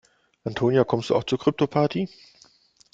Antonia, kommst du auch zur Kryptoparty?